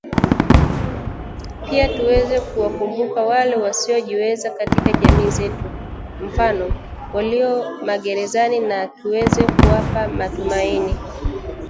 Pia tuweze kuwakumbuka wale wasiojiweza katika jamii zetu mfano: walio magerezani na tuweze kuwapa matumaini